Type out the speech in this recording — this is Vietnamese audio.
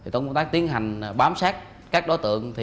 trong công tác tiến hành bám sát các đối tượng